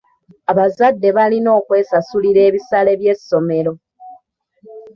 Abazadde balina okwesasulira ebisale by'essomero.